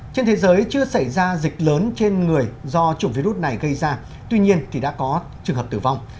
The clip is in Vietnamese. trên thế giới chưa xảy ra dịch lớn trên người do chủng virus này gây ra tuy nhiên thì đã có trường hợp tử vong